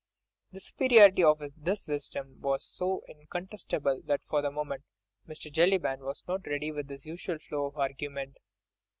The superiority of this wisdom was so incontestable that for the moment Mr. Jellyband was not ready with his usual flow of argument.